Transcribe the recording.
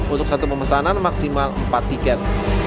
untuk satu pemesanan maksimal empat tiket